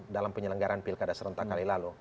dalam penyelenggaran pilkada serentak kali lalu